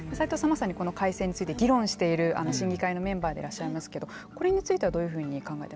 まさにこの改正について議論している審議会のメンバーでいらっしゃいますけどこれについてはどういうふうに考えてらっしゃいますか。